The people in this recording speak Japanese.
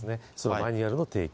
マニュアルの提供。